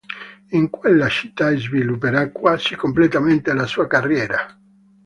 In quella città svilupperà quasi completamente la sua carriera.